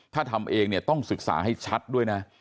ถ้าทำเองเนี่ยต้องศึกษาให้ชัดด้วยนะ